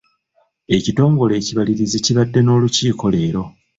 Ekitongole ekibalirizi kibadde n'olukiiko leero.